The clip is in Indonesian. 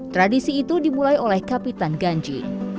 tradisi itu dimulai oleh kapitan ganji